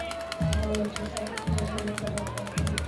هغه وویل چې ستاسو سفرونه موږ ته ډاډ راکوي.